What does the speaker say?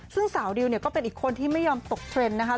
ซึ่งสาวดิวเนี่ยก็เป็นอีกคนที่ไม่ยอมตกเทรนด์นะคะ